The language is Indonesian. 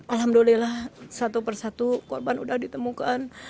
alhamdulillah satu persatu korban sudah ditemukan